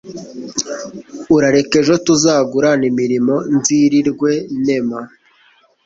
urareke ejo tuzagurane imirimo, nzirirwe ntema